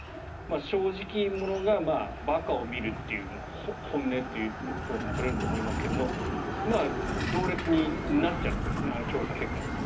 正直者が馬鹿を見るという本音とも取れると思いますが同列になっちゃうわけですね調査結果だと。